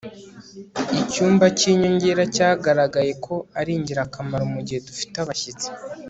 Icyumba cyinyongera cyagaragaye ko ari ingirakamaro mugihe dufite abashyitsi